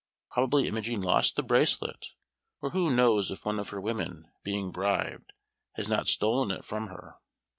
Probably Imogen lost the bracelet; or who knows if one of her women, being bribed, has not stolen it from her?"